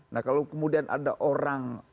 nah kalau kemudian ada orang